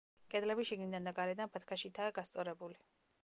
კედლები შიგნიდან და გარედან ბათქაშითაა გასწორებული.